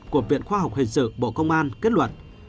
của viện khoa học hình sự bộ công an kết luận